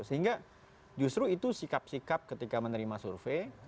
sehingga justru itu sikap sikap ketika menerima survei